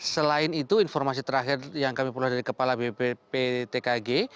selain itu informasi terakhir yang kami perlu dari kepala bpptkg